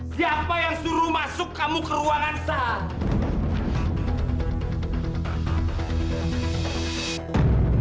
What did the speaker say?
siapa yang suruh masuk kamu ke ruangan sah